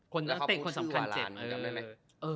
คนสำคัญเจ็บ